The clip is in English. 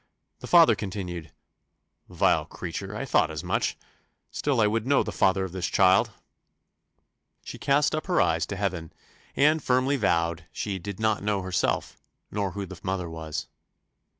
The father continued "Vile creature, I thought as much. Still I will know the father of this child." She cast up her eyes to Heaven, and firmly vowed she "did not know herself nor who the mother was."